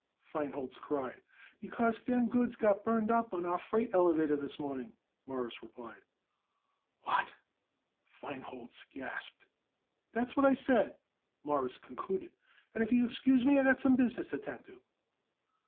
Feinholz cried. "Because them goods got burned up on our freight elevator this morning," Morris replied. "What!" Feinholz gasped. "That's what I said," Morris concluded; "and if you excuse me I got some business to attend to."